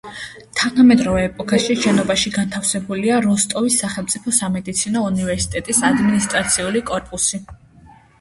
თანამედროვე ეპოქაში შენობაში განთავსებულია როსტოვის სახელმწიფო სამედიცინო უნივერსიტეტის ადმინისტრაციული კორპუსი.